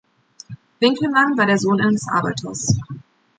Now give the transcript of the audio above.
Winkelmann war der Sohn eines Arbeiters.